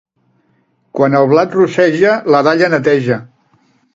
Quan el blat rosseja, la dalla neteja.